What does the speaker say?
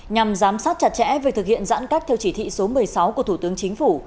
nhằm giám sát chặt chẽ việc thực hiện giãn cách theo chỉ thị số một mươi sáu của thủ tướng chính phủ